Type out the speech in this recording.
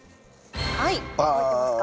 はい覚えてますか？